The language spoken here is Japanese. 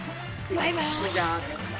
バイバーイ！